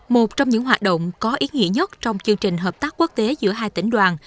một trong những hoạt động có ý nghĩa nhất trong chương trình hợp tác quốc tế giữa hai tỉnh đoàn